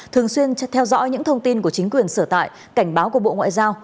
thường xuyên theo dõi những thông tin của chính quyền sở tại cảnh báo của bộ ngoại giao